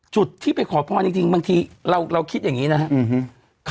จุดที่ไปขอพรจริงบางทีเราคิดอย่างนี้นะครับ